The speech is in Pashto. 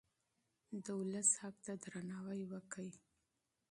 د ولس حق ته درناوی وکړئ.